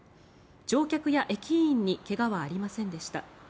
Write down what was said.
乗客や駅員に怪我はありませんでした。